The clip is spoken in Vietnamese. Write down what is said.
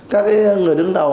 các người đứng đầu